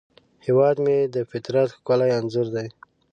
هیواد مې د فطرت ښکلی انځور دی